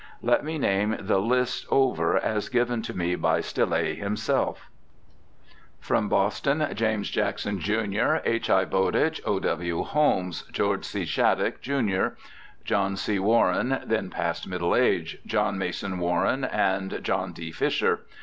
Let me name the list over as given to me by Stille himself: 'From Boston: James Jackson, jun., H. I. Bowditch, O. W. Holmes, George C. Shattuck, jun., John C.Warren (then past middle age), John Mason Warren, and John D. Fisher.